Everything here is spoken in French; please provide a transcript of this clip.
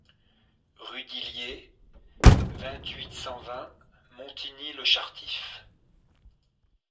Rue d'Illiers, vingt-huit, cent vingt Montigny-le-Chartif